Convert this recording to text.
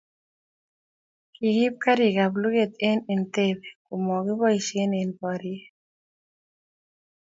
Kigiib garikab luget eng Entebbe komokiboisie eng boriet